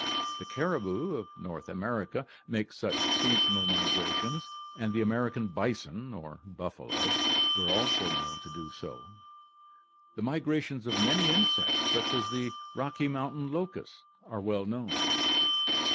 The caribou of North America make such seasonal migrations and the American bison or " buffalo " were also known to do so. The migrations of many insects such as the "Rocky Mountain locust" are well known.